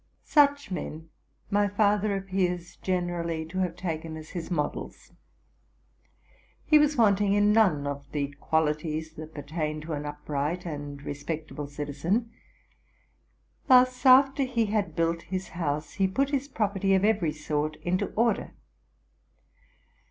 Such men my father appears generally to have taken as his models. He was wanting in none of the qualities that pertain to an upright and respectable citizen. Thus, after he had built his house, he put his property of every sort into order.